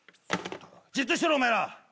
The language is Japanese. じっとしてろお前ら。